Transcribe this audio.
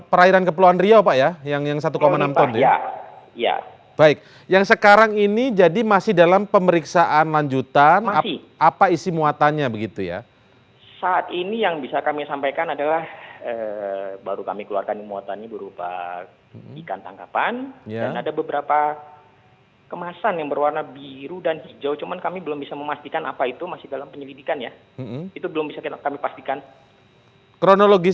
berita terkini mengenai cuaca ekstrem dua ribu dua puluh satu di jepang